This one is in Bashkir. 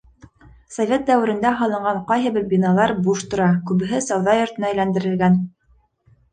Совет дәүерендә һалынған ҡайһы бер биналар буш тора, күбеһе сауҙа йортона әйләндерелгән.